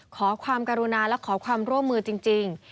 ขอความกรุณาและขอความร่วมมือจริง